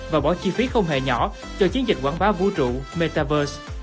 và bỏ chi phí không hề nhỏ cho chiến dịch quảng bá vũ trụ metaverse